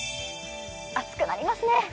暑くなりますね。